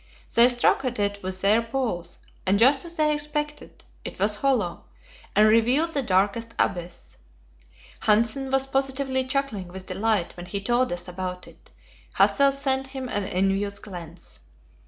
They struck at it with their poles, and just as they expected it was hollow, and revealed the darkest abyss. Hanssen was positively chuckling with delight when he told us about it; Hassel sent him an envious glance.